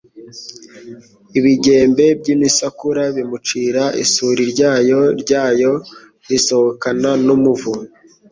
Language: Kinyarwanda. Ibigembe by' imisakura bimucira isuriIryoya ryayo risohokana n'umuvu